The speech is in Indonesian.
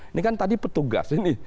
ini kan tadi petugas ini